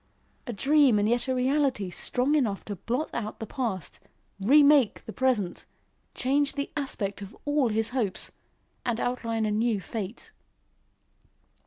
a dream and yet a reality strong enough to blot out the past, remake the present, change the aspect of all his hopes, and outline a new fate.